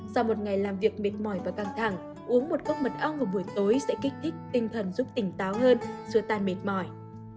sau một ngày làm việc mệt mỏi và căng thẳng uống một cốc mật ong vào buổi tối sẽ kích thích tinh thần giúp tỉnh táo hơn xua tan mệt mỏi